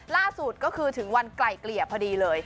ล่าสุดก็คือถึงวันไกลเกลี่ยพอดีเลย